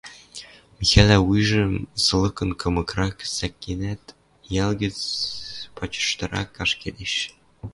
Михӓлӓ вуйжым сылыкын кымыкрак сӓкенӓт, йӓл гӹц пачыштырак ашкедеш.